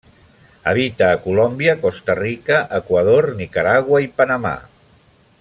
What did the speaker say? Habita a Colòmbia, Costa Rica, Equador, Nicaragua i Panamà.